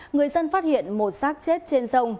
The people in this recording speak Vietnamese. người dân phát hiện một sát chết trên sông